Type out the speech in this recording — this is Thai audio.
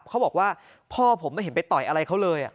เขาบอกว่าพ่อผมไม่เห็นไปต่อยอะไรเขาเลย